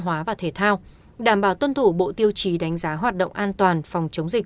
hóa và thể thao đảm bảo tuân thủ bộ tiêu chí đánh giá hoạt động an toàn phòng chống dịch